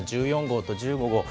１４号と１５号。